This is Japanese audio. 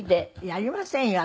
やりませんよ